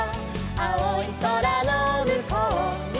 「あおいそらのむこうには」